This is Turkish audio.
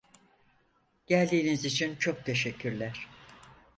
Geldiğiniz için çok teşekkürler.